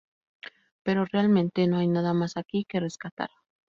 Pero realmente no hay nada más aquí que rescatar".